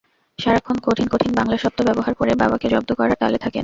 সারাক্ষণ কঠিন কঠিন বাংলা শব্দ ব্যবহার করে বাবাকে জব্দ করার তালে থাকেন।